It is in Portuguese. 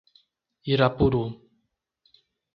Irapuru